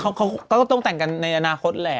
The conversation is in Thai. เขาก็ต้องแต่งกันในอนาคตแหละ